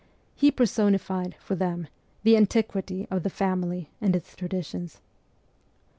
He personified, for them, the antiquity of the family and its traditions.